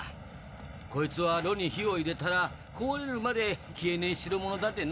こいつは炉に火を入れたら壊れるまで消えねえ代物だでなぁ。